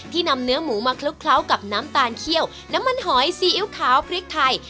นำเนื้อหมูมาคลุกเคล้ากับน้ำตาลเขี้ยวน้ำมันหอยซีอิ๊วขาวพริกไทย